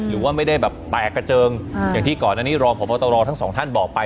หรือว่าไม่ได้แบบแตกกระเจิงอย่างที่ก่อนอันนี้รองพบตรทั้งสองท่านบอกไป